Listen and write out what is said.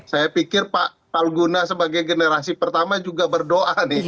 saya pikir pak palguna sebagai generasi pertama juga berdoa nih